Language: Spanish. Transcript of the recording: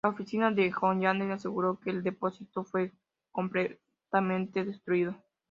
La oficina de Hollande aseguró que el depósito fue completamente destruido.